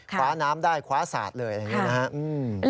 ขวาน้ำได้ขวาสาดเลยอย่างนี้นะ